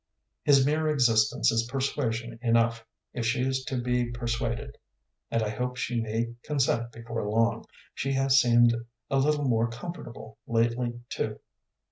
"His mere existence is persuasion enough, if she is to be persuaded. And I hope she may consent before long. She has seemed a little more comfortable lately, too."